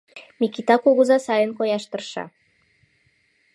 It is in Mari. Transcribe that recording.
— Микыта кугыза сайын кояш тырша.